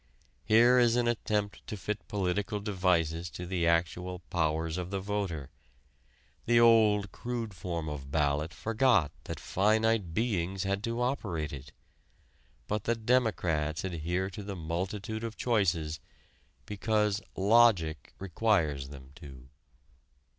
Here is an attempt to fit political devices to the actual powers of the voter. The old, crude form of ballot forgot that finite beings had to operate it. But the "democrats" adhere to the multitude of choices because "logic" requires them to.